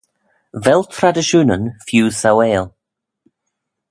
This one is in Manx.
Vel tradishoonyn feeu sauail?